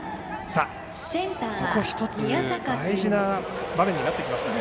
ここは１つ大事な場面になってきましたね。